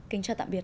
kính chào tạm biệt